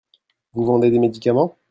Vous vendez des médicaments ?